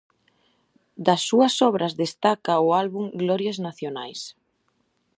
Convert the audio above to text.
Das súas obras destaca o álbum "Glorias nacionais".